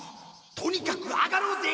とにかく上がろうぜ。